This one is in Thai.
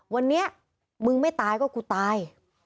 วันนี้มึงไม่ตายก็กูตาย